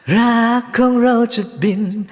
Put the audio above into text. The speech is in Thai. รักของเราจะบิน